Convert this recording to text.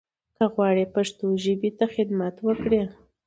که غواړٸ پښتو ژبې ته خدمت وکړٸ